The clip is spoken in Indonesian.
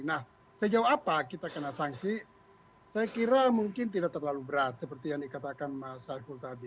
nah sejauh apa kita kena sanksi saya kira mungkin tidak terlalu berat seperti yang dikatakan mas saikul tadi